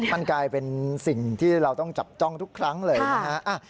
มันกลายเป็นสิ่งที่เราต้องจับจ้องทุกครั้งเลยนะฮะ